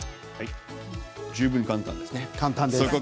十分、簡単ですね。